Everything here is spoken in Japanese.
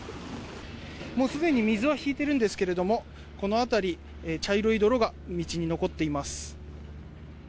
すでに水は引いていますがこの辺り、茶色い泥が道に残っています。